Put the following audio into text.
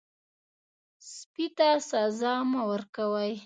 سپي ته سزا مه ورکوئ.